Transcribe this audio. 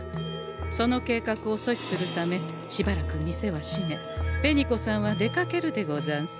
その計画を阻止するためしばらく店は閉め紅子さんは出かけるでござんす。